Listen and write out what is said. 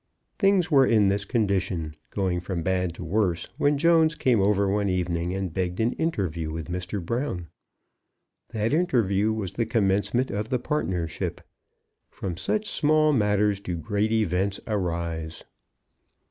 Things were in this condition, going from bad to worse, when Jones came over one evening, and begged an interview with Mr. Brown. That interview was the commencement of the partnership. From such small matters do great events arise.